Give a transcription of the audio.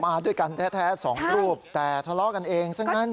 พี่กัลแท้สองรูปแต่ทะเลาะกันเองซะกัน